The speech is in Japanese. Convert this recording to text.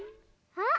あっ！